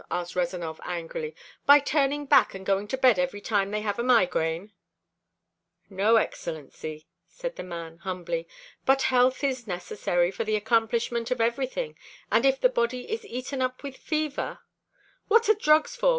asked Rezanov angrily. "By turning back and going to bed every time they have a migraine?" "No, Excellency," said the man humbly. "But health is necessary to the accomplishment of everything, and if the body is eaten up with fever " "What are drugs for?